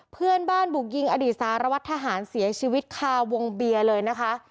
เพื่อนบ้านบุกยิงอดีตสารวัตรทหารเสียชีวิตคาวงเบียร์เลยนะคะ